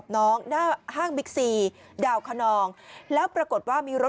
น่ะลงกร